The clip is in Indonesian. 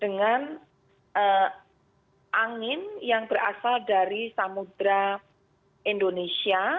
dengan angin yang berasal dari samudera indonesia